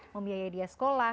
membiayai dia sekolah